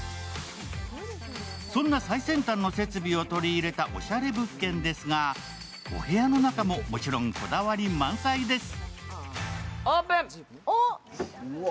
そんな最先端の設備を取り入れたオシャレ物件ですが、お部屋の中も、もちろんこだわり満載です。